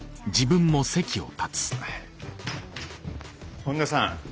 本田さん